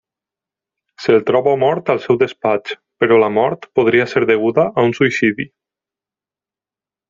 Se’l troba mort al seu despatx, però la mort podria ser deguda a un suïcidi.